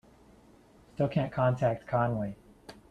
Still can't contact Conway.